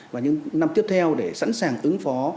và những năm tiếp theo để sẵn sàng ứng phó